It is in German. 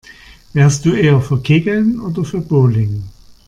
Wärst du eher für Kegeln oder für Bowling?